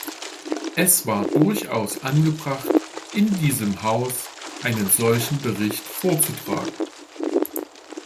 Es war durchaus angebracht, in diesem Haus einen solchen Bericht vorzutragen.